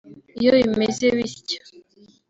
Iyo bimeze bitya